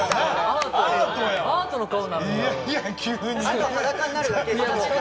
あと裸になるだけでしょ。